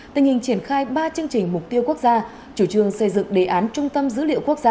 tình hình triển khai ba chương trình mục tiêu quốc gia chủ trương xây dựng đề án trung tâm dữ liệu quốc gia